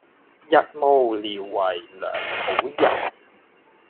日暮聊為梁甫吟。